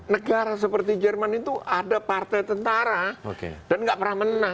negara seperti jerman itu ada partai tentara dan nggak pernah menang